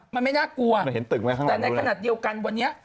มันไม่น่ากลัวแต่ในขณะเดียวกันวันนี้